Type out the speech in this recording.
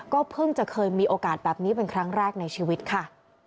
เพิ่งจะเคยมีโอกาสแบบนี้เป็นครั้งแรกในชีวิตค่ะ